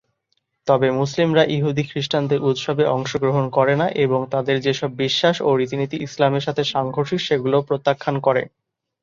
তবে মুসলিমরা ইহুদী খ্রিষ্টানদের উৎসবে অংশগ্রহণ করে না এবং তাদের যেসব বিশ্বাস ও রীতিনীতি ইসলামের সাথে সাংঘর্ষিক সেগুলো প্রত্যাখ্যান করে।